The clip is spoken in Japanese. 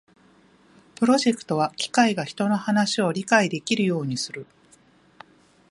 プロジェクトは機械が人の話を理解できるようにする